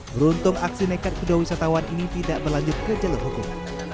beruntung aksi nekat kedua wisatawan ini tidak berlanjut ke jalur hukum